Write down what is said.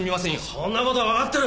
そんな事はわかってる！